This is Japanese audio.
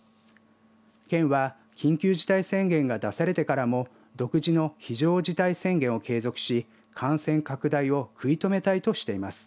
県は緊急事態宣言が出されてからも独自の非常事態宣言を継続し感染拡大を食い止めたいとしています。